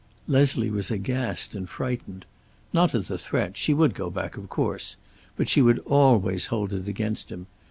Leslie was aghast and frightened. Not at the threat; she would go back, of course. But she would always hold it against him.